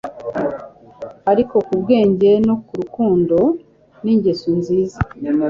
Ariko ku bwenge no ku rukundo n'ingeso nziza